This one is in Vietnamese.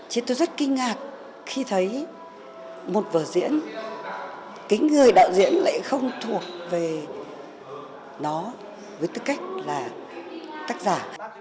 chứ tôi rất kinh ngạc khi thấy một vở diễn cái người đạo diễn lại không thuộc về nó với tư cách là tác giả